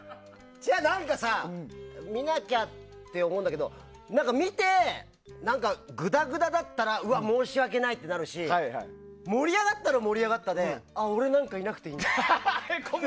違う、何かさ見なきゃって思うんだけど見て、何かグダグダだったらうわ、申し訳ないってなるし盛り上がったら盛り上がったで俺なんかいなくていいんだって。